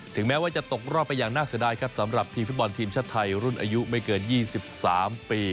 แม้ว่าจะตกรอบไปอย่างน่าเสียดายครับสำหรับทีมฟุตบอลทีมชาติไทยรุ่นอายุไม่เกิน๒๓ปี